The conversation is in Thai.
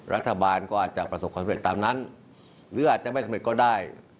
รัฐบาลก็อาจจะประสบความเร็จตามนั้นหรืออาจจะไม่สำเร็จก็ได้